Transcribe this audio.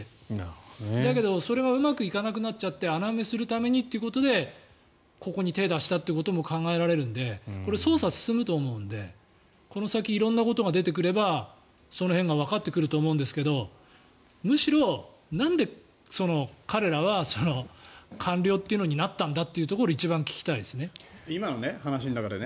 だけど、それがうまくいかなくなっちゃって穴埋めするためにということでこれに手を出したということも考えられるので捜査が進むと思うのでこの先、色んなことが出てくればその辺がわかってくると思うんですけどむしろ、なんで彼らは官僚というのになったんだというのを一番、聞きたいですね。